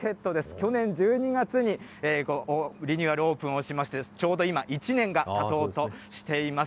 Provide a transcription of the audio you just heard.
去年１２月にリニューアルオープンをしまして、ちょうど今、１年がたとうとしています。